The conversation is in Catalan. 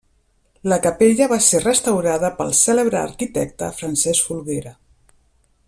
La capella va ser restaurada pel cèlebre arquitecte Francesc Folguera.